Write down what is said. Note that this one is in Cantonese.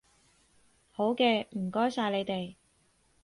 好嘅，唔該曬你哋